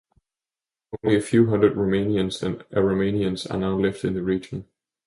Only a few hundred Romanians and Aromanians are now left in the region.